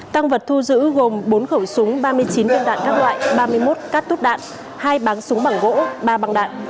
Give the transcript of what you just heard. tăng vật thu giữ gồm bốn khẩu súng ba mươi chín viên đạn các loại ba mươi một cát tút đạn hai báng súng bằng gỗ ba băng đạn